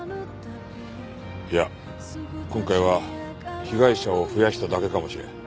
いや今回は被害者を増やしただけかもしれん。